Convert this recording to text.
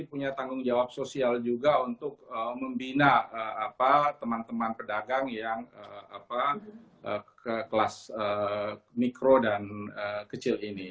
punya tanggung jawab sosial juga untuk membina teman teman pedagang yang ke kelas mikro dan kecil ini